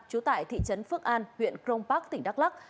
chú tại thị trấn phước an huyện crong park tỉnh đắk lắc